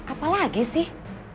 apa lagi sih